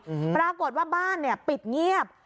ปรากฏว่าบ้านเนี้ยปิดเงียบ